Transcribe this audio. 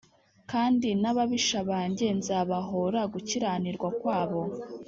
kandi n’ababisha banjye nzabahōra gukiranirwa kwabo